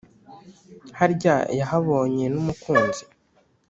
harya yahabonye nu mukunzi